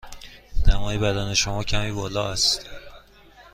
دمای بدن شما کمی بالا است.